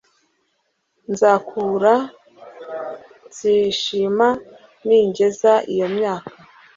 Nzakura nzishima ningeza iyo myaka